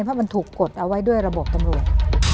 เพราะมันถูกกดเอาไว้ด้วยระบบตำรวจ